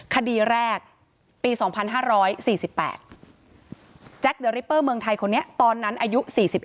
คดีแรกปี๒๕๔๘แจ็คเดอริปเปอร์เมืองไทยคนนี้ตอนนั้นอายุ๔๑